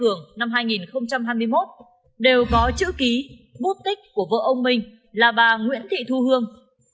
ông nguyễn cường năm hai nghìn hai mươi một đều có chữ ký bút tích của vợ ông minh là bà nguyễn thị thu hương